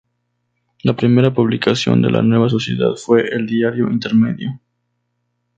La primera publicación de la nueva sociedad fue el diario Intermedio.